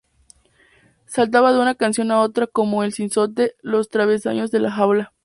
saltaba de una canción a otra, como el sinsonte los travesaños de la jaula